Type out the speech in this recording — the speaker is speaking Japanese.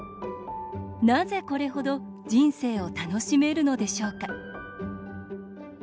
なぜ、これ程人生を楽しめるのでしょうか。